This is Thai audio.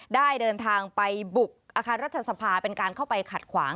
ได้เดินทางไปบุกอาคารรัฐสภาเป็นการเข้าไปขัดขวาง